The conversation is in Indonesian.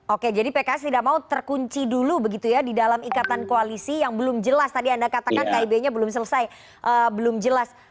oke jadi pks tidak mau terkunci dulu begitu ya di dalam ikatan koalisi yang belum jelas tadi anda katakan kib nya belum selesai belum jelas